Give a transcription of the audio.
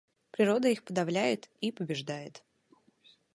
Природа их подавляет и побеждает.